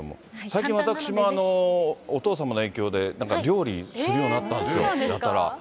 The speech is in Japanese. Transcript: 最近私も、お父様の影響で、なんか料理するようになったんですよ、やたら。